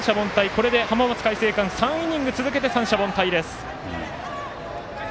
これで浜松開誠館３イニング続けて三者凡退です。